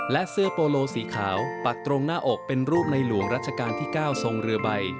และเสื้อโปโลสีขาวปักตรงหน้าอกเป็นรูปในหลวงรัชกาลที่๙ทรงเรือใบ